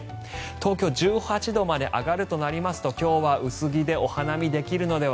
東京、１８度まで上がるとなりますと今日は薄着でお花見できるのでは。